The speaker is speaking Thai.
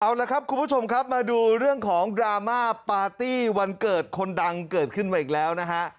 เอาละครับคุณผู้ชมครับมาดูเรื่องของดราม่าปาร์ตี้วันเกิดคนดังเกิดขึ้นมาอีกแล้วนะฮะ